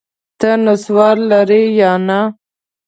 ته نسوار لرې یا نه؟